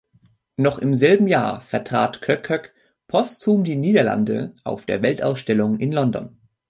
Noch im selben Jahr vertrat Koekkoek postum die Niederlande auf der Weltausstellung in London.